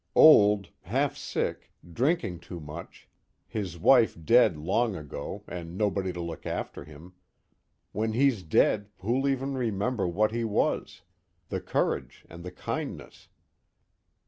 Old, half sick, drinking too much, his wife dead long ago and nobody to look after him when he's dead who'll even remember what he was, the courage and the kindness?